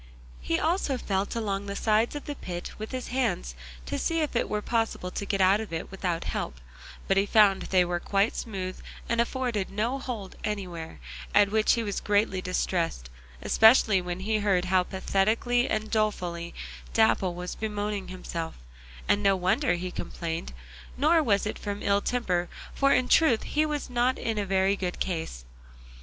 He also felt along the sides of the pit with his hands to see if it were possible to get out of it without help, but he found they were quite smooth and afforded no hold anywhere, at which he was greatly distressed, especially when he heard how pathetically and dolefully Dapple was bemoaning himself, and no wonder he complained, nor was it from ill temper, for in truth he was not in a very good case.